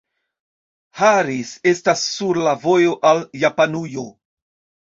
Harris estas sur la vojo al Japanujo.